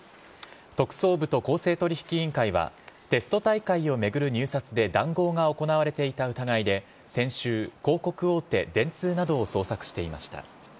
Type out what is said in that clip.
特捜部と公正取引委員会は、テスト大会を巡る入札で談合が行われていた疑いで、先週、広告大手、電通などを捜索していました。